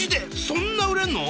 そんな売れんの？